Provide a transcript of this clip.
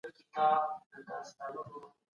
موږ باید د ټولني د مشکلاتو د حل لپاره هڅه وکړو.